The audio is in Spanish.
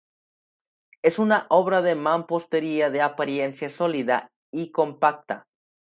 Es una obra de mampostería de apariencia sólida y compacta.